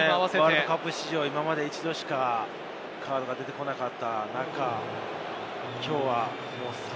ワールドカップ史上、今まで一度しかカードが出てこなかった中、きょうはもう３枚目。